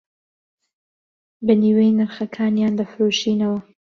بە نیوەی نرخەکانیان دەفرۆشینەوە